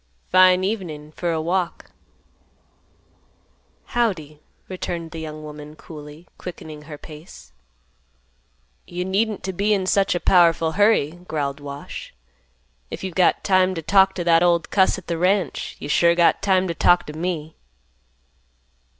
"Fine evening for a walk." "Howdy," returned the young woman, coolly, quickening her pace. "You needn't t' be in such a powerful hurry," growled Wash. "If you've got time t' talk t' that old cuss at th' ranch, you sure got time t' talk t' me."